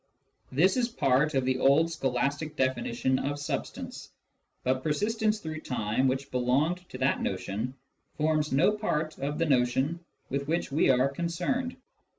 This is part of the old scholastic definition of substance ; but persistence through time, which belonged to that notion, forms no part of the notion with which we are con cerned.